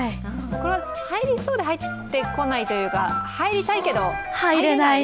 これは入りそうで入ってこないというか、入りたいけど入れない。